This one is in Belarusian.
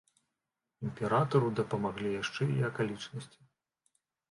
Імператару дапамаглі яшчэ і акалічнасці.